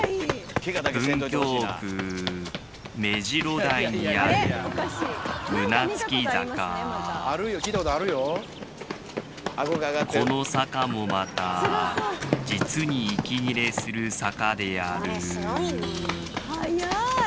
文京区目白台にある胸突坂この坂もまた実に息切れする坂である速い！